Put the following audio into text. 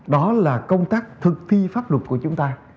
đó là công tác thực thi pháp luật của chúng ta